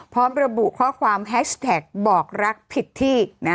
พร้อมระบุข้อความแฮชแท็กบอกรักผิดที่